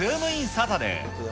サタデー。